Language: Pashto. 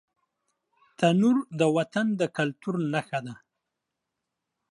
تنور د وطن د کلتور نښه ده